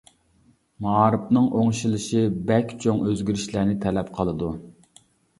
مائارىپنىڭ ئوڭشىلىشى بەك چوڭ ئۆزگىرىشلەرنى تەلەپ قىلىدۇ.